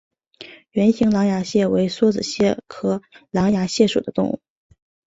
圆形狼牙蟹为梭子蟹科狼牙蟹属的动物。